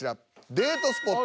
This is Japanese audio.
「デートスポット」。